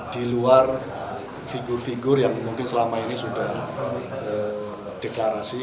di luar figur figur yang mungkin selama ini sudah deklarasi